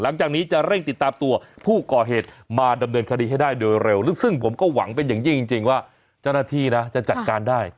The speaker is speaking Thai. หลังจากนี้จะเร่งติดตามตัวผู้ก่อเหตุมาดำเนินคดีให้ได้โดยเร็วซึ่งผมก็หวังเป็นอย่างยิ่งจริงว่าเจ้าหน้าที่นะจะจัดการได้